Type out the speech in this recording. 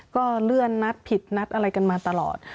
ก็เลื่อนนัดผิดนัดอะไรกันมาตลอด